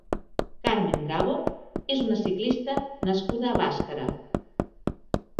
Carmen Bravo és una ciclista nascuda a Bàscara.